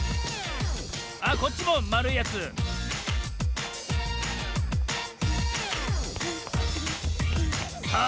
あっこっちもまるいやつさあ